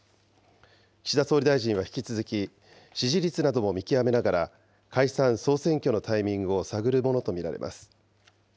岸田総理大臣は引き続き、支持率なども見極めながら、解散・総選挙のタイミングを探るものと見られます。